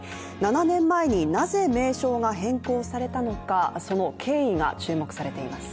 ７年前になぜ名称が変更されたのか、その経緯が注目されています。